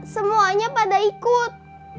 semuanya pada ikut